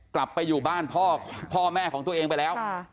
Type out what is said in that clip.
กลับไปอยู่บ้านพ่อแม่ของตัวเองไปแล้ว